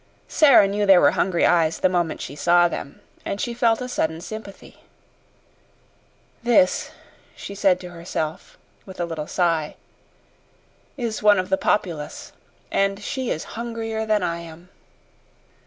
Sara knew they were hungry eyes the moment she saw them, and she felt a sudden sympathy. "This," she said to herself, with a little sigh, "is one of the populace and she is hungrier than I am."